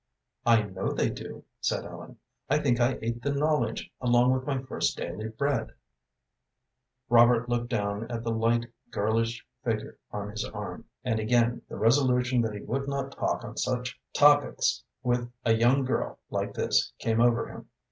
"I know they do," said Ellen. "I think I ate the knowledge along with my first daily bread." Robert Lloyd looked down at the light, girlish figure on his arm, and again the resolution that he would not talk on such topics with a young girl like this came over him.